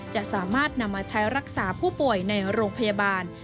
จะสามารถนำมาใช้รักษาผู้ป่วยในโรงพยาบาล